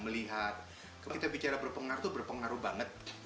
melihat kita bicara berpengaruh berpengaruh banget